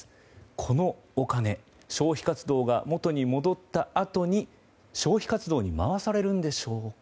このお金、消費活動が元に戻ったあとに消費活動に回されるんでしょうか。